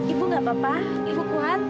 ibu gak apa apa ibu kuat